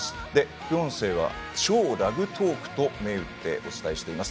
副音声は「超ラグトーク」と銘打ってお伝えしています。